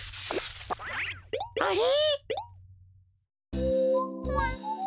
あれ！？